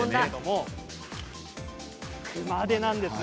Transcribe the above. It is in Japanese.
熊手なんですね。